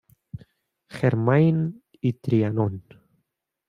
Germain y Trianon.